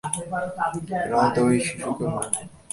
Ronaldo এই মৌসুমে জুভেন্টাসে চলে যাওয়ায় সেটির আপাত সমাপ্তি ঘটেছে।